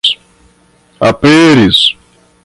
aperis